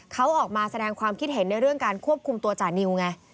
เขาออกมาแสดงความคิดเห็นในเรื่องการควบคุมตัวจานิวไง